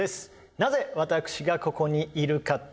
なぜ私がここにいるかって。